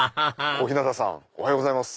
小日向さんおはようございます。